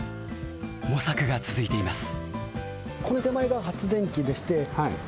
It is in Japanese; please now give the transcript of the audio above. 模索が続いています。